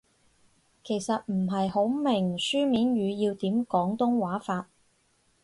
我其實唔係好明書面語要點廣東話法